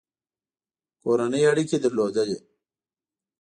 کورني اړیکي درلودل.